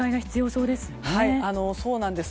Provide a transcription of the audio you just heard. そうなんです。